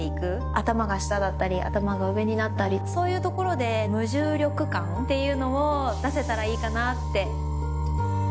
頭が下だったり頭が上になったりそういうところで無重力感っていうのを出せたらいいかなって。